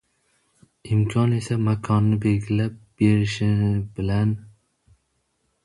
imkon esa makonini belgilab berishi bilan.